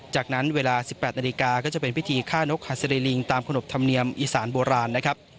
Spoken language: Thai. จากนั้นเวลา๑๘นาฬิกาก็จะเป็นพิธีฆ่านกหัสดีลิงตามขนบธรรมเนียมอีสานโบราณนะครับ